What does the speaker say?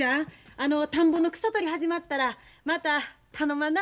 あの田んぼの草取り始まったらまた頼むわな。